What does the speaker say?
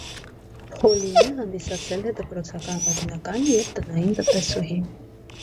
Փոլինը հանդիսացել է դպրոցական օգնական և տնային տնտեսուհի։